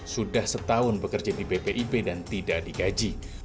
sudah setahun bekerja di bpip dan tidak digaji